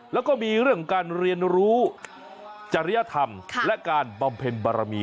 แล้วก็มีเรื่องของการเรียนรู้จริยธรรมและการบำเพ็ญบารมี